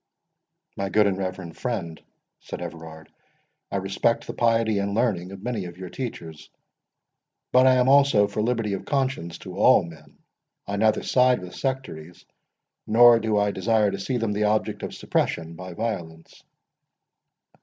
"My good and reverend friend," said Everard, "I respect the piety and learning of many of your teachers; but I am also for liberty of conscience to all men. I neither side with sectaries, nor do I desire to see them the object of suppression by violence."